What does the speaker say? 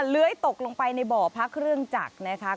เลื้อยตกลงไปในบ่อพระเครื่องจักรนะคะ